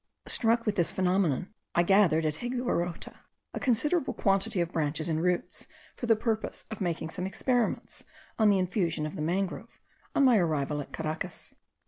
Struck with this phenomenon, I gathered at Higuerote a considerable quantity of branches and roots, for the purpose of making some experiments on the infusion of the mangrove, on my arrival at Caracas.